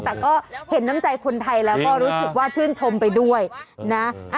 แต่ก็เห็นน้ำใจคนไทยแล้วก็รู้สึกว่าชื่นชมไปด้วยนะ